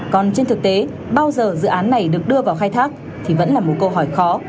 còn trên thực tế bao giờ dự án này được đưa vào khai thác thì vẫn là một câu hỏi khó